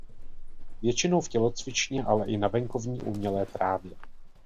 Většinou v tělocvičně ale i na venkovní umělé trávě.